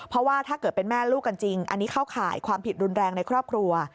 เพราะว่าถ้าเกิดเป็นแม่ลูกกันจริงอันนี้เข้าข่ายความผิดรุนแรงในครอบครัว